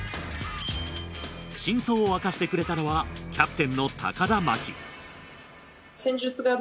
真相を明かしてくれたのはキャプテンの田真希